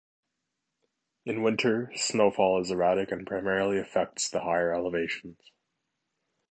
In winter snowfall is erratic and primarily affects the higher elevations.